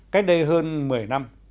cách đây hơn một mươi năm